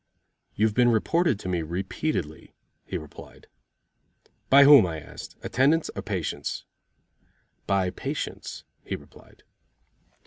"You have been reported to me repeatedly," he replied. "By whom?" I asked, "attendants or patients?" "By patients," he replied.